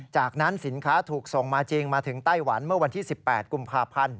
จากนั้นสินค้าถูกส่งมาจริงมาถึงไต้หวันเมื่อวันที่๑๘กุมภาพันธ์